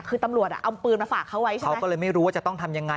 คือตำรวจอ่ะเอาปืนมาฝากเขาไว้ใช่ไหมเขาก็เลยไม่รู้ว่าจะต้องทำยังไง